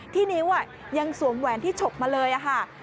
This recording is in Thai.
ที่นิ้วยังสวมแหวนที่ฉกมาเลยค่ะ